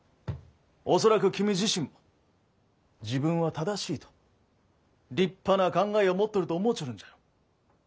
恐らく君自身も自分は正しいと立派な考えを持っとると思うちょるんじゃろう。